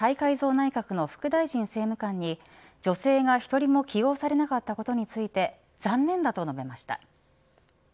内閣の副大臣・政務官に女性が１人も起用されなかったことについて残念だと述べました。